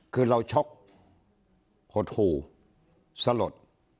คือเราช็อกหดหู่สลด